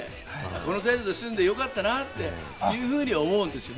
この程度で済んでよかったなというふうに思うんですよね。